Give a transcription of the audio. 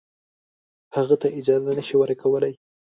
هغه ته اجازه نه شي ورکولای.